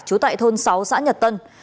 chú tại thôn sáu xã nhật tân